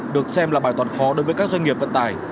được xem là bài toán khó đối với các doanh nghiệp vận tải